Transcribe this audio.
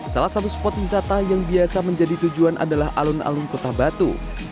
salah satu spot wisata yang biasa menjadi tujuan adalah alun alun kota batu